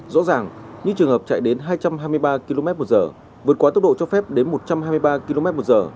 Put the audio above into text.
rõ ràng những trường hợp chạy đến hai trăm hai mươi ba kmh vượt quá tốc độ cho phép đến một trăm hai mươi ba kmh